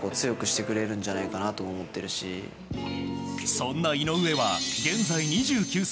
そんな井上は現在、２９歳。